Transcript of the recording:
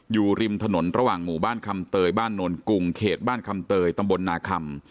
อยู่ริมถนนระหว่างหมู่บ้านคำเตยบ้านโนนกุงเขตบ้านคำเตยตำบลนาคำ